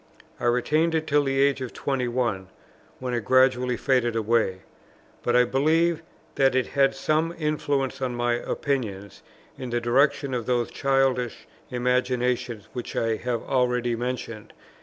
I retained it till the age of twenty one, when it gradually faded away; but I believe that it had some influence on my opinions, in the direction of those childish imaginations which I have already mentioned, viz.